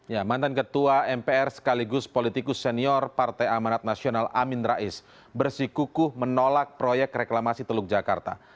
ya mantan ketua mpr sekaligus politikus senior partai amanat nasional amin rais bersikukuh menolak proyek reklamasi teluk jakarta